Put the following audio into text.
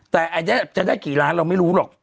แต่จะได้กี่ล้านเราไม่รู้หรอก